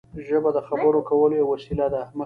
ژبه د خبرو کولو یوه وسیله ده.